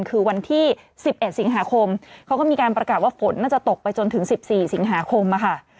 คือวันที่สิบเอ็ดสิงหาคมเขาก็มีการประกาศว่าฝนน่าจะตกไปจนถึงสิบสี่สิงหาคมอ่ะค่ะ